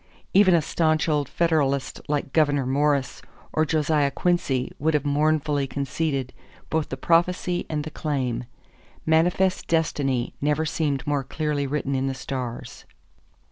Even a stanch old Federalist like Gouverneur Morris or Josiah Quincy would have mournfully conceded both the prophecy and the claim. Manifest destiny never seemed more clearly written in the stars.